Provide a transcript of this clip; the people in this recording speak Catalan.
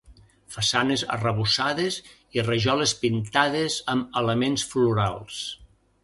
Façanes arrebossades i rajoles pintades amb elements florals.